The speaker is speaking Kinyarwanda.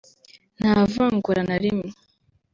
nta vangura na rimwe